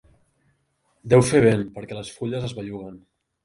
Deu fer vent, perquè les fulles es belluguen.